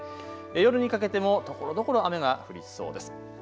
夜にかけてもところどころ雨が降りそうです。